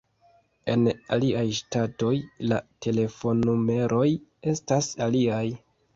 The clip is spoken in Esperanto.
En aliaj ŝtatoj la telefonnumeroj estas aliaj.